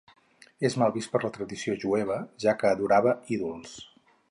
És mal vist per la tradició jueva, ja que adorava ídols.